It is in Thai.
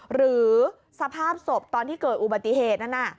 หรือสภาพศพตอนที่เกิดอุบัติเหตุนั้น